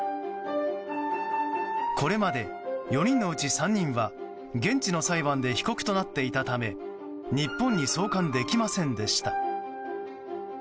これまで、４人のうち３人は現地の裁判で被告となっていたため日本に送還できませんでした。